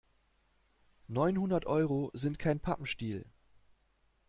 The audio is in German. Neunhundert Euro sind kein Pappenstiel.